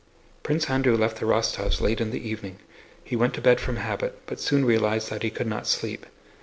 Prince Andrew left the Rostóvs' late in the evening. He went to bed from habit, but soon realized that he could not sleep.